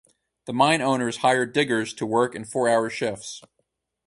The mine owners hired diggers to work in four hour shifts.